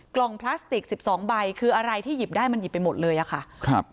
กล่องพลาสติก๑๒ใบคืออะไรที่หยิบได้มันหยิบไปหมดเลยค่ะ